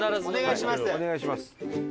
お願いします。